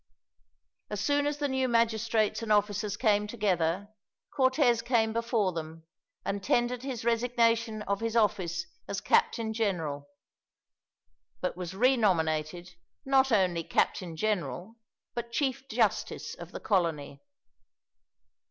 As soon as the new magistrates and officers came together, Cortez came before them and tendered his resignation of his office as captain general, but was re nominated not only captain general, but Chief Justice of the colony.